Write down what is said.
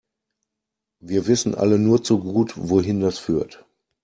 Wir wissen alle nur zu gut, wohin das führt.